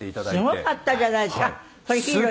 すごかったじゃないあっ！